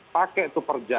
pak k itu perja